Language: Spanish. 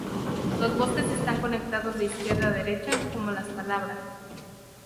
Los bloques están conectados de izquierda a derecha, como las palabras.